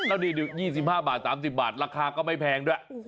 แล้วนี่๒๕บาท๓๐บาทราคาก็ไม่แพงด้วย